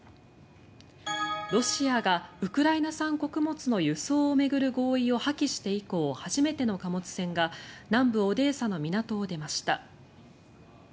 ロシアがウクライナ産穀物の輸送を巡る合意を破棄して以降初めての貨物船が南部オデーサの港を出ました。